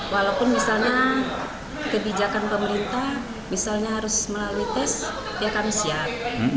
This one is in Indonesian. walaupun misalnya kebijakan pemerintah misalnya harus melalui tes ya kami siap